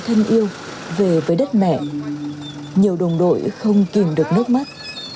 thân yêu về với đất mẹ nhiều đồng đội không kìm được nước mắt